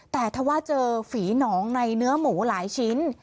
แต่ถ้าว่าเจอฝีหนองในเนื้อหมูหลายชิ้น